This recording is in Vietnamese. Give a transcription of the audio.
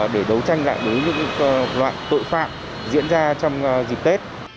để đấu tranh lại với những loại tội phạm diễn ra trong dịp tết